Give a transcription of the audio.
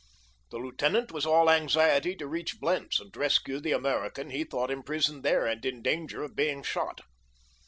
The lieutenant was all anxiety to reach Blentz and rescue the American he thought imprisoned there and in danger of being shot.